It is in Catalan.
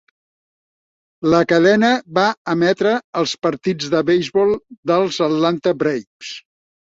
La cadena va emetre els partits de beisbol dels Atlanta Braves.